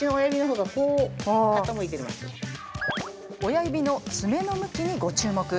親指の爪の向きにご注目。